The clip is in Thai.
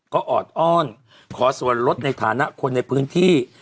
ก็ออดอ้อนขอส่วนลดในฐานะคนในพื้นที่